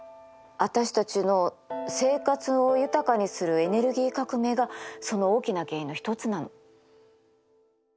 私たちの生活を豊かにするエネルギー革命がその大きな原因の一つなの。